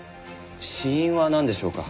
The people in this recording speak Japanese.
死因はなんでしょうか？